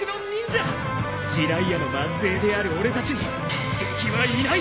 児雷也の末裔である俺たちに敵はいない。